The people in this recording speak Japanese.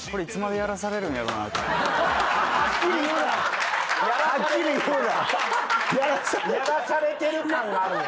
やらされてる感があるんやな。